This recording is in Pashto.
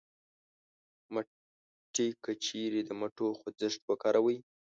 مټې : که چېرې د مټو خوځښت وکاروئ